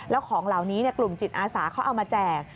แล้วของเหล่านี้กลุ่มจิตอาสาเขาเอามาแจก